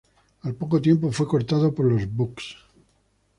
Al poco tiempo fue cortado por los Bucks.